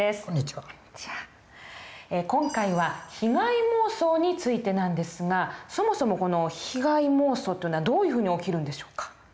今回は被害妄想についてなんですがそもそもこの被害妄想というのはどういうふうに起きるんでしょうか？